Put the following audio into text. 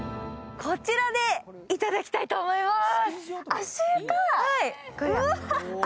こちらでいただきたいと思います。